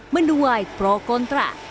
menuai pro kontra